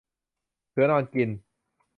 เสือนอนกิน